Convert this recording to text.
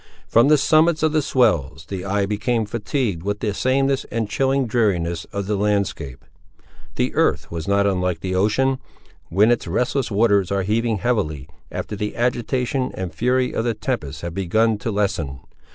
From the summits of the swells, the eye became fatigued with the sameness and chilling dreariness of the landscape. The earth was not unlike the Ocean, when its restless waters are heaving heavily, after the agitation and fury of the tempest have begun to lessen.